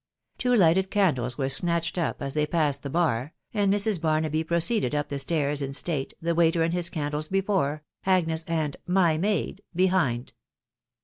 Two lighted candles were snatched up as they passed the bar, and Mrs. Barnaby proceeded up the stairs in state, the waiter and his candles before, Agnes and "my maid" behind.